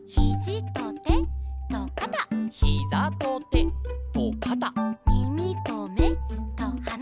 「ヒザとてとかた」「みみとめとはな」